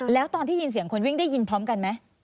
แล้วตอนที่ยินเสียงคนวิ่งได้ยินพร้อมกันไหม